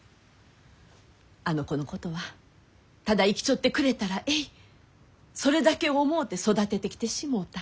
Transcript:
あの子のことはただ生きちょってくれたらえいそれだけ思うて育ててきてしもうた。